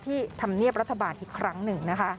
ที่ทำเนียบรัฐบาลอีกครั้งหนึ่ง